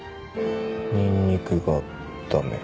ニンニクがダメ。